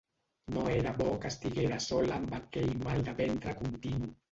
No era bo que estiguera sola amb aquell mal de ventre continu.